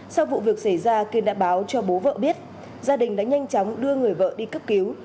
sau vụ việc xảy ra kiên đã báo cho bố vợ biết gia đình đã nhanh chóng đưa người vợ đi cấp cứu